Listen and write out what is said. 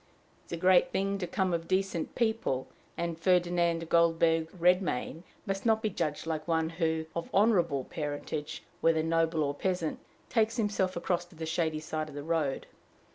It is a great thing to come of decent people, and Ferdinand Goldberg Redmain must not be judged like one who, of honorable parentage, whether noble or peasant, takes himself across to the shady side of the road.